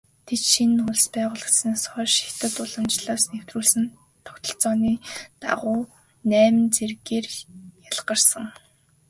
Тэд шинэ улс байгуулагдсанаас хойш хятад уламжлалаас нэвтрүүлсэн тогтолцооны дагуу найман зэргээр ялгарсан.